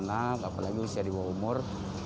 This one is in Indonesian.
apalagi usia dua umur